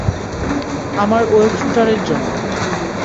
আমার ওয়েব শুটারের জন্য।